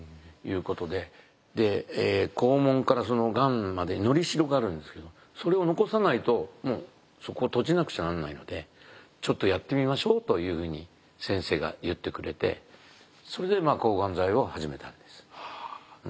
で肛門からがんまでのりしろがあるんですけどそれを残さないともうそこを閉じなくちゃなんないのでちょっとやってみましょうというふうに先生が言ってくれてそれで抗がん剤を始めたんです。